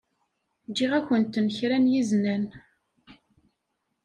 Ǧǧiɣ-akent-n kra n yiznan.